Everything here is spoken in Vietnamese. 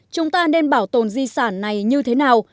chúng ta nên bảo tồn di sản này như thế nào